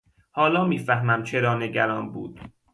حالا میفهمم چرا نگران بود.